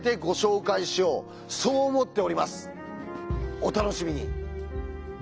お楽しみに。